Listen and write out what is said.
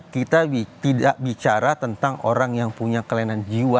kita tidak bicara tentang orang yang punya kelainan jiwa